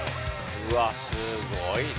うわっすごいな。